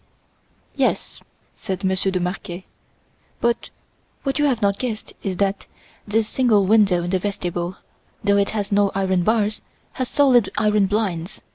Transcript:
"Yes," said Monsieur de Marquet, "but what you have not guessed is that this single window in the vestibule, though it has no iron bars, has solid iron blinds.